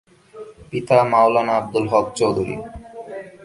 পিতা মাওলানা আবদুল হক চৌধুরী।